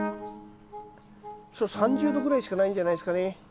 それ３０度ぐらいしかないんじゃないですかね。